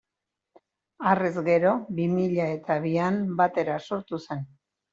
Harrez gero, bi mila eta bian, Batera sortu zen.